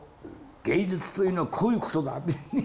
芸術というのはこういうことだ！